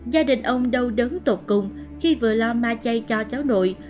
gia đình ông đau đớn tột cùng khi vừa lo ma chay cho cháu nội